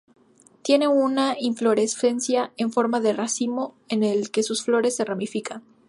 Tiene una inflorescencia en forma de racimo, en el que sus flores se ramifican.